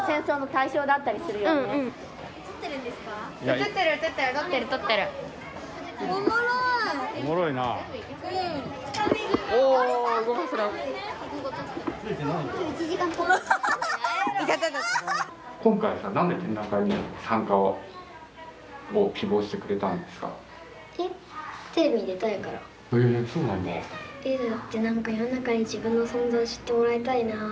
えだって何か世の中に自分の存在を知ってもらいたいなって。